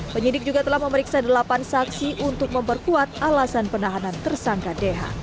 penyidik juga telah memeriksa delapan saksi untuk memperkuat alasan penahanan tersangka dh